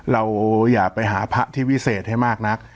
เราอย่าไปหาพระที่วิเศษให้มากนัก